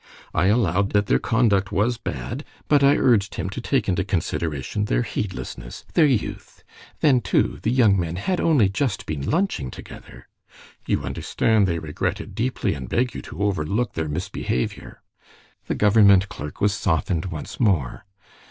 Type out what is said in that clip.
I allowed that their conduct was bad, but I urged him to take into consideration their heedlessness, their youth; then, too, the young men had only just been lunching together. 'You understand. They regret it deeply, and beg you to overlook their misbehavior.' The government clerk was softened once more.